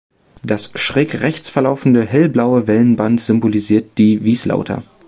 Das schrägrechts verlaufende hellblaue Wellenband symbolisiert die Wieslauter.